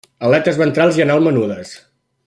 Aletes ventrals i anal menudes.